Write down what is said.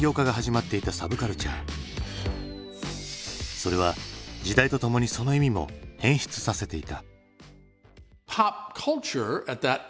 それは時代とともにその意味も変質させていた。